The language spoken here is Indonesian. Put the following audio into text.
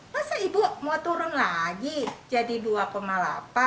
masa ibu mau turun lagi jadi dua delapan ratus rupiah